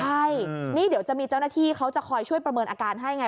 ใช่นี่เดี๋ยวจะมีเจ้าหน้าที่เขาจะคอยช่วยประเมินอาการให้ไง